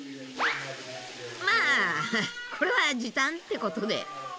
まぁこれは時短ってことで。